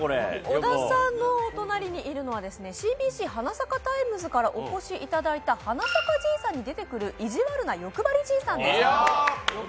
小田さんのお隣にいるのはＣＢＣ「花咲かタイムズ」からお越しいただいた花咲かじいさんに出てくる、意地悪な欲張りじいさんです。